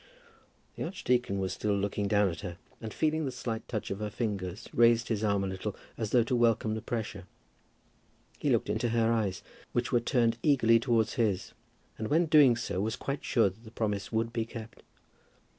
The archdeacon was still looking down at her, and feeling the slight touch of her fingers, raised his arm a little as though to welcome the pressure. He looked into her eyes, which were turned eagerly towards his, and when doing so was quite sure that the promise would be kept.